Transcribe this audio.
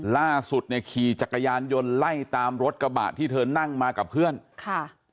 ล่าสุดเนี่ยขี่จักรยานยนต์ไล่ตามรถกระบะที่เธอนั่งมากับเพื่อนค่ะ